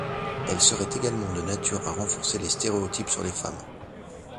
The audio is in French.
Elle serait également de nature à renforcer les stéréotypes sur les femmes.